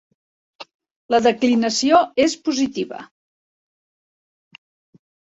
La declinació és positiva.